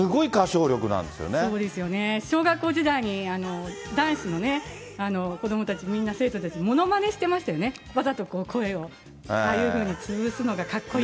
そうですよね。小学校時代に、男子のね、子どもたち、みんな生徒たち、ものまねしてましたよね、わざとこう、声をああいうふうに潰すのがかっこいい。